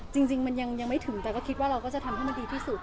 จริงมันยังไม่ถึงแต่ก็คิดว่าเราก็จะทำให้มันดีที่สุด